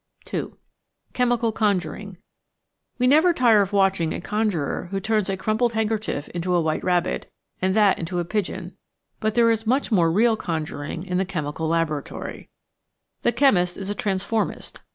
2 Chemical Conjuring We never tire of watching a conjurer who turns a crumpled handkerchief into a white rabbit, and that into a pigeon ; but there is much more real conjuring in the chemical laboratory. The 754 The Outline of Science chemist is a transformist.